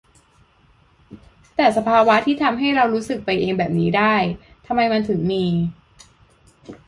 แต่สภาวะที่ทำให้เรารู้สึกไปเองแบบนี้ได้ ทำไมมันถึงมี ?